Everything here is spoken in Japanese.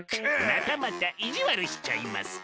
またまたいじわるしちゃいますか！